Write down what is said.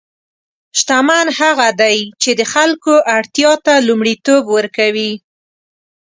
شتمن هغه دی چې د خلکو اړتیا ته لومړیتوب ورکوي.